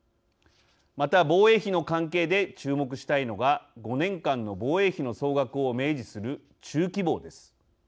また防衛費の関係で注目したいのが５年間の防衛費の総額を明示する中期防です。